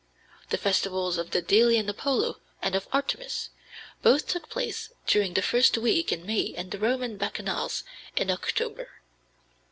The festivals of the Delian Apollo and of Artemis, both took place during the first week in May and the Roman Bacchanales in October.